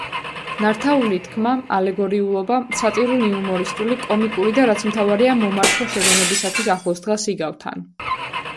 ნართაული თქმა, ალეგორიულობა, სატირულ-იუმორისტული, კომიკური და რაც მთავარია, მომართვა შეგონებისათვის ახლოს დგას იგავთან.